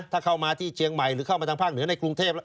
ถ้าเข้ามาที่เชียงใหม่หรือเข้ามาทางภาคเหนือในกรุงเทพแล้ว